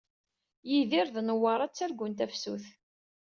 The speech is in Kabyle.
Yidir d Newwara ttargun tafsut.